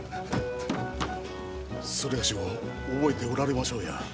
某を覚えておられましょうや。